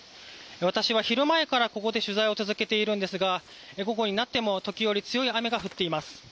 私は昼前からここで取材を続けていますが午後になっても時折強い雨が降っています。